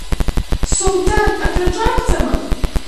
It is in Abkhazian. Солҭан акраҿабҵама?